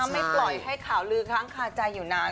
ไม่ปล่อยให้ข่าวลือค้างคาใจอยู่นาน